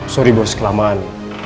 sorry bos kelamaan